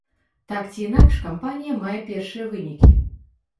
Так ці інакш, кампанія мае першыя вынікі.